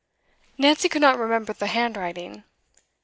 Nancy could not remember the handwriting.